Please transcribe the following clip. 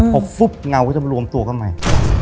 พอปุ๊บเงาก็จะมารวมตัวกันใหม่